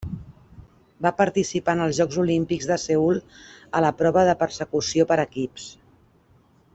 Va participar en els Jocs Olímpics de Seül a la prova de Persecució per equips.